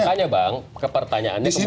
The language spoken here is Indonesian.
makanya bang kepertanyaannya kemudian